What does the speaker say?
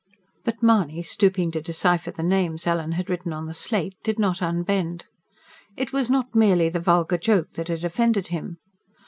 But Mahony, stooping to decipher the names Ellen had written on the slate, did not unbend. It was not merely the vulgar joke that had offended him.